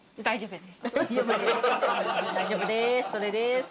大丈夫です。